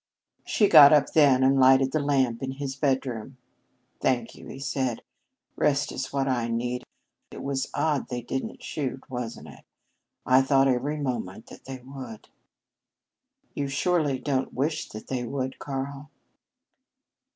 She got up then and lighted the lamp in his bedroom. "Thank you," he said. "Rest is what I need. It was odd they didn't shoot, wasn't it? I thought every moment that they would." "You surely didn't wish that they would, Karl?"